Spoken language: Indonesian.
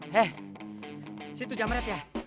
hei si itu jemret ya